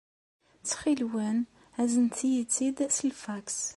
Ttxil-wen, aznet-iyi-tt-id s lfaks.